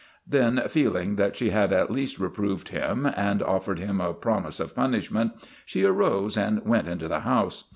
Then, feeling that she had at least reproved him and offered him a promise of punishment, she arose and went into the house.